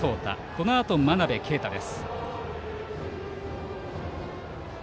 このあとが真鍋慧です。